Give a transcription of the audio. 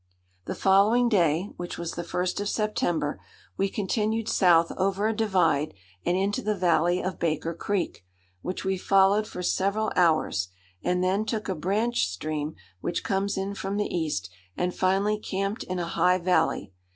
The following day, which was the first of September, we continued south over a divide and into the valley of Baker Creek, which we followed for several hours, and then took a branch stream which comes in from the east, and finally camped in a high valley.